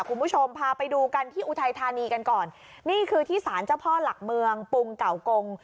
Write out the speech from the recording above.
คุณผู้ชมพาไปดูกันที่อุทัยธานีกันก่อนนี่คือที่สารเจ้าพ่อหลักเมืองปรุงเก่ากง